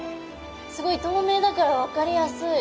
すごいとうめいだから分かりやすい。